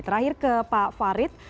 terakhir ke pak farid